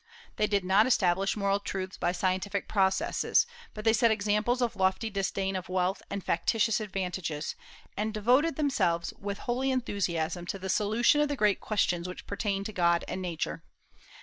They did not establish moral truths by scientific processes, but they set examples of lofty disdain of wealth and factitious advantages, and devoted themselves with holy enthusiasm to the solution of the great questions which pertain to God and Nature.